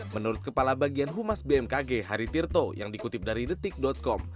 menurut kepala bagian humas bmkg hari tirto yang dikutip dari detik com